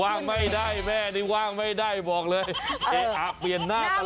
ว่างไม่ได้แม่นี่ว่างไม่ได้บอกเลยเอ๊ะอ่ะเปลี่ยนหน้าตลอด